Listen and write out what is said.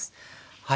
はい。